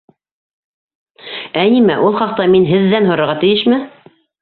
- Ә нимә, ул хаҡта мин һеҙҙән һорарға тейешме?